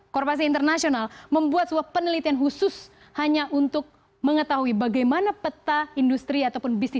korbasi internasional membuat penelitian khusus hanya untuk mengetahui bagaimana peta industri